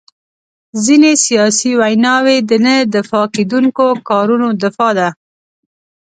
ځینې سیاسي ویناوي د نه دفاع کېدونکو کارونو دفاع ده.